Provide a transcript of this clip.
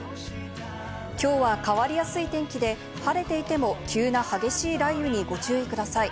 きょうは変わりやすい天気で、晴れていても急な激しい雷雨にご注意ください。